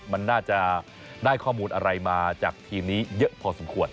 มันน่าจะได้ข้อมูลอะไรมาจากทีมนี้เยอะพอสมควร